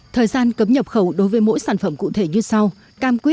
thời gian cấm nhập khẩu đối với mỗi sản phẩm cụ thể như sau